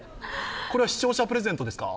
これは視聴者プレゼントですか？